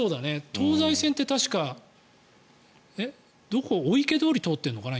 東西線って確か御池通り通ってるのかな。